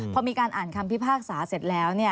พอมีการอ่านคำพิพากษาเสร็จแล้ว